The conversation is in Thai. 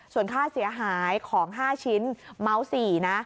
ส่วนค่าเสียหายของ๕ชิ้นเมาส์๔นะ